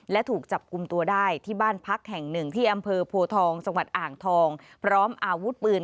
และถูกจับกลุ่มตัวได้ที่บ้านพักแห่งหนึ่งที่อำเภอโพทองจังหวัดอ่างทองพร้อมอาวุธปืน